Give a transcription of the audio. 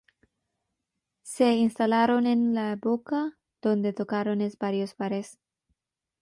Se instalaron en La Boca, donde tocaron en varios bares.